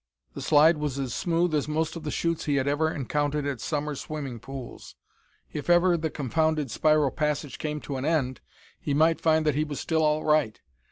The slide was as smooth as most of the chutes he had ever encountered at summer swimming pools. If ever the confounded spiral passage came to an end, he might find that he was still all right.